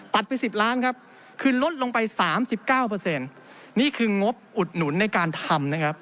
ไป๑๐ล้านครับคือลดลงไป๓๙นี่คืองบอุดหนุนในการทำนะครับ